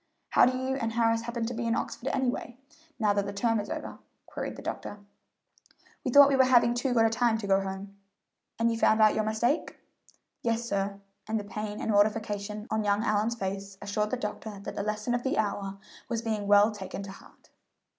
"How do you and Harris happen to be in Oxford anyway, now that the term is over?" queried the doctor. "We thought we were having too good a time to go home." "And you have found out your mistake?" "Yes, sir;" and the pain and mortification on young Allyn's face assured the doctor that the lesson of the hour was being well taken to heart.